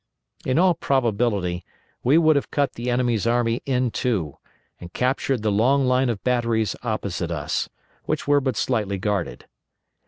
In all probability we would have cut the enemy's army in two, and captured the long line of batteries opposite us, which were but slightly guarded.